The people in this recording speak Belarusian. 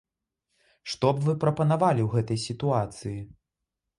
Што б вы прапанавалі ў гэтай сітуацыі?